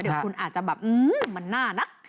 เดี๋ยวคุณอาจจะแบบมันน่านะ